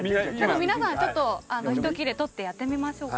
皆さんちょっと１切れ取ってやってみましょうか。